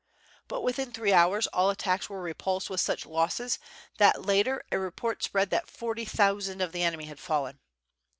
But within three hours all attacks were repulsed with such losses that later a report spread that forty thousand of the enemy had fallen.